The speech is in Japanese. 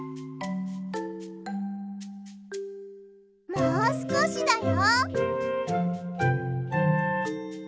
もうすこしだよ。